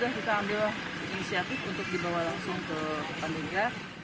dan akhirnya kita ambil inisiatif untuk dibawa langsung ke pandega